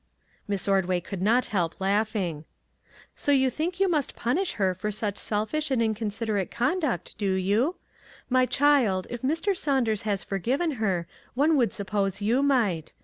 Miss Ordway could not help laughing. " So you think you must punish her for such 257 MAG AND MARGARET selfish and inconsiderate conduct, do you ? My child, if Mr. Saunders has forgiven her, one would suppose you might.